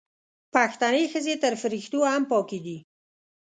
پښتنې ښځې تر فریښتو هم پاکې دي